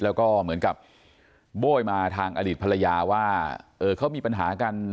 แล้วก็เหมือนกับโบ้ยมาทางอดีตภรรยาว่าเขามีปัญหากัน